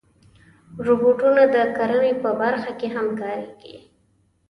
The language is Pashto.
روبوټونه د کرنې په برخه کې هم کارېږي.